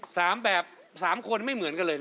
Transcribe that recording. แบบสามคนไม่เหมือนกันเลยนะ